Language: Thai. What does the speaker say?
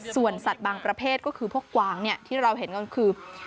ส่วนสัตว์บางประเภทก็คือพวกกวางที่เราเห็นก็คือ